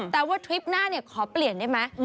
แต่ว่าทริปหน้าขอเปลี่ยนได้ไหม